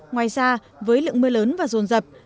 ngoài ra với lượng mưa lớn và rồn rập